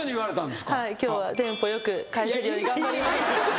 はい今日はテンポよく返せるように頑張ります。